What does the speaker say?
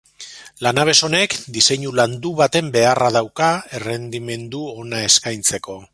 Lanabes honek diseinu landu baten beharra dauka errendimendu ona eskaintzeko.